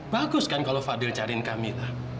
bagus kan kalau fadil cariin kami